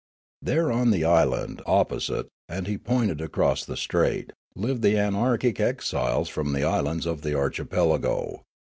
There on the island opposite (and he pointed across the strait) lived the anarchic exiles from the islands of the archipelago.